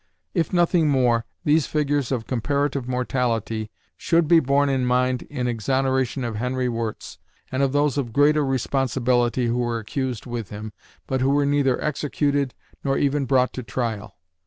If nothing more, these figures of comparative mortality should be borne in mind in exoneration of Henry Wirz, and of those of greater responsibility who were accused with him, but who were neither executed nor even brought to trial.